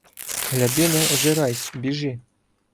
Гляди, не озирайсь, біжи.